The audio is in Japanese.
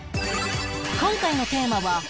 今回のテーマは